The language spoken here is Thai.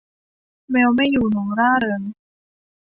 แมวไม่อยู่ หนูร่าเริง